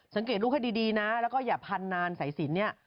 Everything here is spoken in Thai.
สังเกตลูกให้ดีนะแล้วก็อย่าพันนานสายสินเนี่ย